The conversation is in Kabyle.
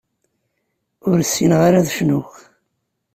Ur ssineɣ ara ad cnuɣ.